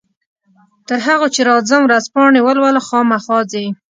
تر هغو چې راځم ورځپاڼې ولوله، خامخا ځې؟